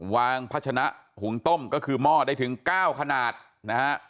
พัชนะหุงต้มก็คือหม้อได้ถึง๙ขนาดนะฮะ